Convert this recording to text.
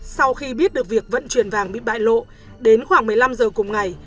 sau khi biết được việc vận chuyển vàng bị bại lộ đến khoảng một mươi năm giờ cùng ngày